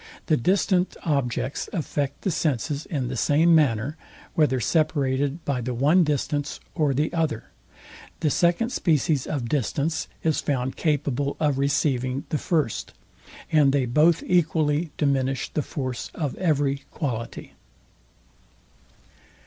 The distant objects affect the senses in the same manner, whether separated by the one distance or the other; the second species of distance is found capable of receiving the first; and they both equally diminish the force of every quality.